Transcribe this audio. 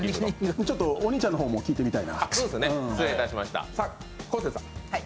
ちょっとお兄ちゃんの方も聞いてみたいな。